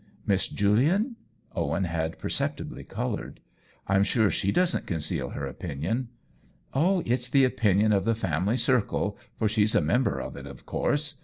igo OWEN WINGRAVE " Miss Julian ?" Owen had perceptibly colored. " I'm sure she hasn't concealed her opin ion. " Oh, it's the opinion of the family circle, for she's a member of it, of course.